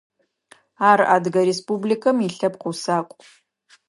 Ар Адыгэ Республикым илъэпкъ усакӏу.